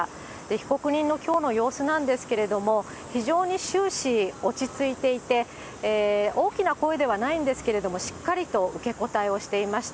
被告人のきょうの様子なんですけれども、非常に終始落ち着いていて、大きな声ではないんですけれども、しっかりと受け答えをしていました。